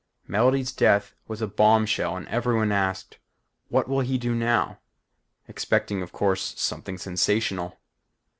Melody's death was a bombshell and everyone asked. What will he do now? expecting of course, something sensational.